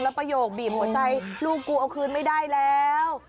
ประโยคบีบหัวใจลูกกูเอาคืนไม่ได้แล้ว